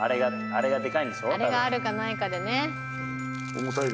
「あれがあるかないかでね」